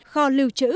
kho lưu trữ